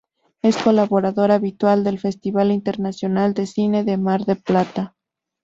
Es colaborador habitual del Festival Internacional de Cine de Mar del Plata.